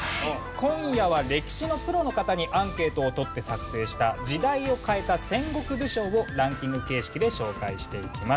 今夜は歴史のプロの方にアンケートを取って作成した時代を変えた戦国武将をランキング形式で紹介していきます。